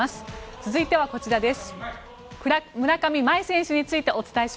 続いてはこちらです。